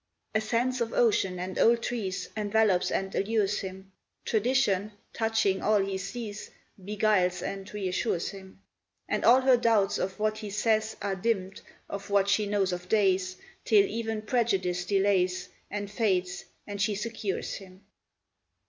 A sense of ocean and old trees Envelops and allures him; Tradition, touching all he sees, Beguiles and reassures him; And all her doubts of what he says Are dimmed of what she knows of days Till even prejudice delays And fades, and she secures him.